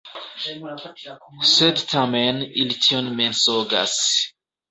Sed tamen ili tion mensogas.